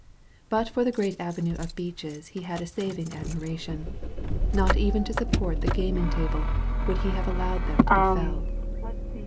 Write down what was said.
But for the great avenue of beeches he had a saving admiration. Not even to support the gaming table would he have allowed them to be felled.